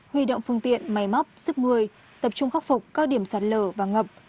huy động phương tiện máy móc sức người tập trung khắc phục các điểm sạt lở và ngập